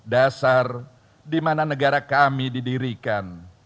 dasar dimana negara kami didirikan